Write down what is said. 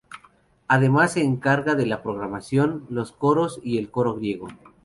Además se encarga de la programación, los coros y el coro griego.